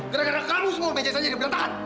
gara gara kamu semua bejahit saja diberi tangan